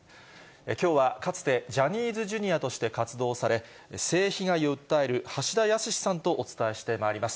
きょうはかつてジャニーズＪｒ．として活動され、性被害を訴える橋田康さんとお伝えしてまいります。